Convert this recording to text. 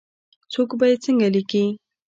څوک به یې څنګه لیکې ؟